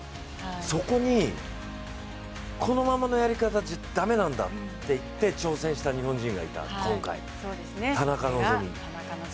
そこに、このままのやり方じゃ駄目なんだっていって挑戦した日本人がいた今回、田中希実。